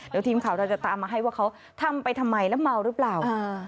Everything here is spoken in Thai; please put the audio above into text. เดี๋ยวทีมข่าวเราจะตามมาให้ว่าเขาทำไปทำไมแล้วเมาหรือเปล่า